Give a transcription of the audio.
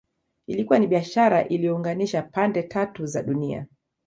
Ilikuwa ni biashara iliyounganisha pande tatu za dunia